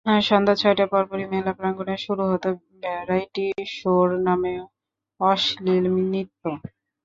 সন্ধ্যা ছয়টার পরপরই মেলা প্রাঙ্গণে শুরু হতো ভ্যারাইটি শোর নামে অশ্লীল নৃত্য।